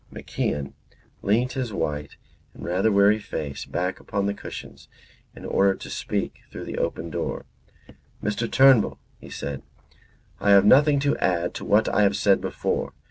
MacIan leant his white and rather weary face back upon the cushions in order to speak up through the open door. "Mr. Turnbull," he said, "I have nothing to add to what I have said before.